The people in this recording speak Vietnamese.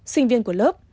sinh viên của lớp